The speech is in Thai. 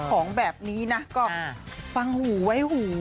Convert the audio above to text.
ของแบบนี้นะก็ฟังหูไว้หู